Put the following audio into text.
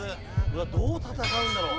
どう戦うんだろう？